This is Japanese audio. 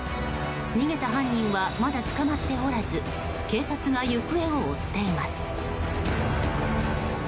逃げた犯人はまだ捕まっておらず警察が行方を追っています。